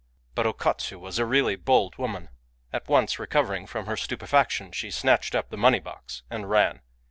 But O Katsu was really a bold woman. At once recovering from her stupefaction, she snatched up the money box and ran.